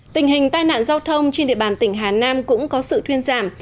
tình hình tai nạn giao thông trên địa bàn tỉnh hà nam cũng có sự thuyên giảm